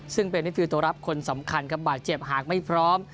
ซึ่งเป็นนี่คือตัวรับคนสำคัญครับบาดเจ็บหากไม่พร้อม